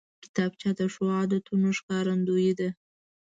کتابچه د ښو عادتونو ښکارندوی ده